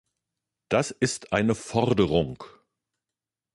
Das ist eine Forderung.